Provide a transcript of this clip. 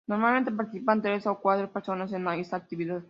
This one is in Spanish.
Normalmente participan tres o cuatro personas en esta actividad.